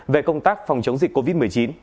về công tác phòng chống dịch covid một mươi chín